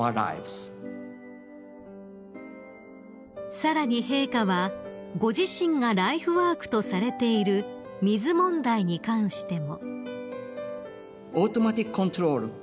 ［さらに陛下はご自身がライフワークとされている水問題に関しても］